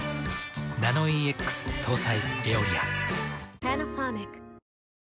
ナノイーＸ搭載「エオリア」。